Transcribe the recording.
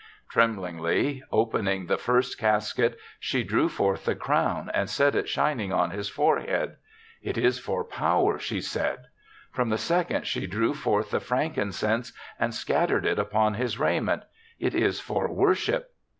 Tremblingly opening the first casket, she drew forth the crown and set it shining on his forehead. " It is for Power,'' she said. From the second she drew forth the frankincense and scattered it upon his raiment. "It is for Worship."